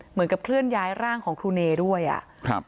เคลื่อนย้ายร่างของครูเนด้วยอ่ะครับ